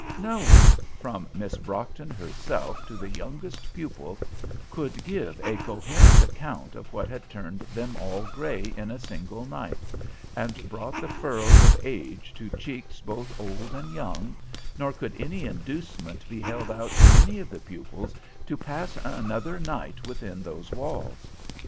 No one, from Miss Brockton herself to the youngest pupil, could give a coherent account of what had turned them all gray in a single night, and brought the furrows of age to cheeks both old and young, nor could any inducement be held out to any of the pupils to pass another night within those walls.